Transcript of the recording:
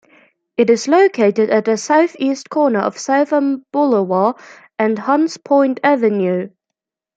It is located at the southeast corner of Southern Boulevard and Hunts Point Avenue.